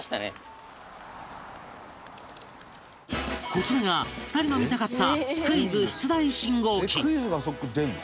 こちらが２人の見たかった「クイズがそこに出るの？」